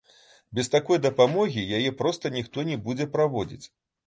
Бо без такой дапамогі яе проста ніхто не будзе праводзіць.